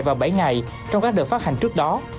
và bảy ngày trong các đợt phát hành trước đó